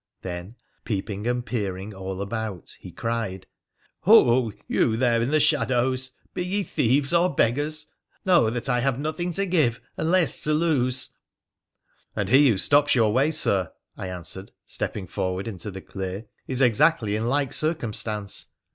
Then, peeping and peering all about, he cried, ' Ho ! you there in the shadows ! Be ye thieves or beggars, know that I have nothing to give and less to lose !'' And he who stops your way, Sir,' I answered, stepping forward into the clear, ' is exactly in like circumstance.'